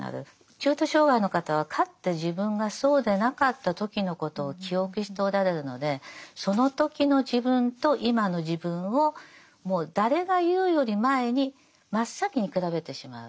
中途障がいの方はかって自分がそうでなかった時のことを記憶しておられるのでその時の自分と今の自分をもう誰が言うより前に真っ先に比べてしまう。